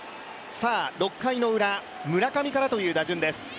６回ウラ、村上からという打順です。